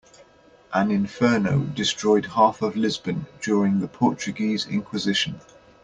An inferno destroyed half of Lisbon during the Portuguese inquisition.